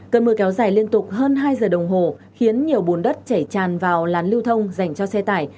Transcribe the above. cơn mưa kéo dài liên tục hơn hai giờ đồng hồ khiến nhiều bùn đất chảy tràn vào làn lưu thông dành cho xe tải